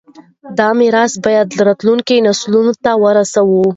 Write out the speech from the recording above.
دا میراث باید راتلونکو نسلونو ته ورسوو.